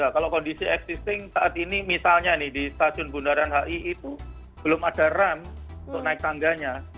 kalau kondisi existing saat ini misalnya di stasiun bundaran hi itu belum ada ram untuk naik tangganya